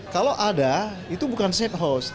kalau ada itu bukan safe house